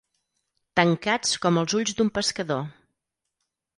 Tancats com els ulls d'un pescador.